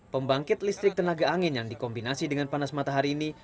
pembangkit listrik tenaga angin yang dikombinasi dengan panas matahari ini